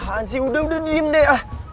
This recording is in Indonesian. anci udah udah diem deh